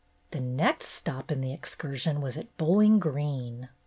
The next stop in the excursion was at Bowl ing Green.